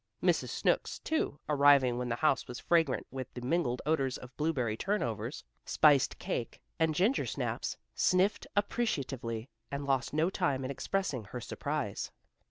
Mrs. Snooks, too, arriving when the house was fragrant with the mingled odors of blueberry turnovers, spiced cake and gingersnaps, sniffed appreciatively, and lost no time in expressing her surprise.